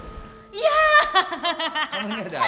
kamu ini ada apa